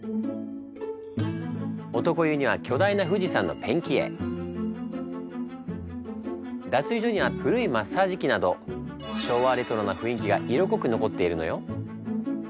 男湯には巨大な脱衣所には古いマッサージ器など昭和レトロな雰囲気が色濃く残っているのよ。